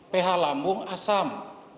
ph lambung asam